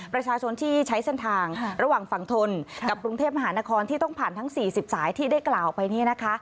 ประชาชนที่ใช้เส้นทางระหว่างฝั่งทนกับกรุงเทพมหานครที่ต้องผ่านทั้ง๔๐สายที่ได้กล่าวไปเนี่ยนะคะ